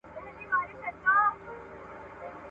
• ما ښه مه کړې، ماپه ښو خلگو واده کړې.